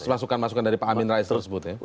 masukan masukan dari pak amin rais tersebut ya